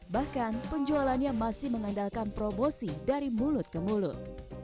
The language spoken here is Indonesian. bahkan penjualannya masih mengandalkan promosi dari mulut ke mulut